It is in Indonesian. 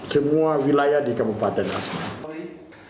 semua wilayah di kabupaten asmat